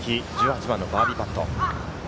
１８番のバーディーパット。